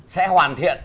sẽ hoàn thiện